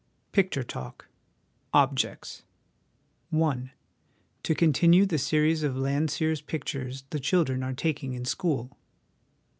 PICTURE TALK "Objects "i. To continue the series of Landseer's pictures the children are taking in school.